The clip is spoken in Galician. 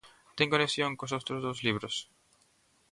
Ten conexión cos outros dous libros?